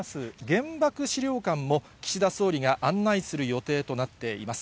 原爆資料館も、岸田総理が案内する予定となっています。